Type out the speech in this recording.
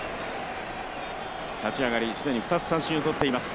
立ち上がり既に三振を取っています。